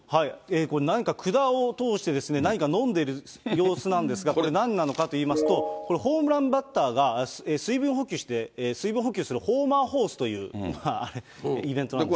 これ、なんか管を通して、何か飲んでる様子なんですが、これなんなのかといいますと、ホームランバッターが水分補給して、水分補給するホーマー・ホースというイベントなんです。